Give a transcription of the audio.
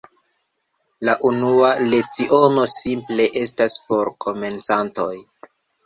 La unua leciono simple estas por komencantoj.